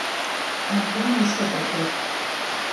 მაგრამ უშედეგოდ.